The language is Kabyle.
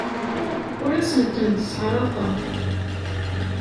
Ur asen-tent-sseɛraqeɣ.